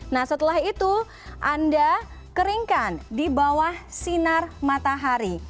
nah setelah itu anda keringkan di bawah sinar matahari